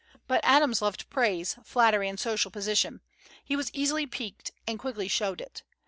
But Adams loved praise, flattery, and social position. He was easily piqued, and quickly showed it.